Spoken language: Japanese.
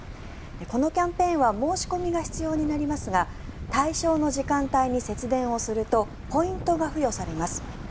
このキャンペーンは申し込みが必要になりますが対象の時間帯に節電をするとポイントが付与されます。